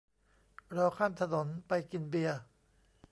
รอข้ามถนน ไปกินเบียร์